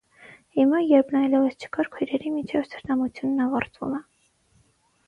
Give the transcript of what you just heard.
Հիմա, երբ նա այլևս չկար, քույրերի միջև թշնամությունն ավարտվում է։